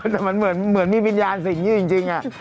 แต่มันเหมือนมีวิญญาณสิ่งนี้จริง